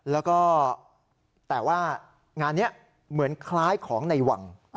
แล้วก็แต่ว่างานนี้เหมือนคล้ายของในวัง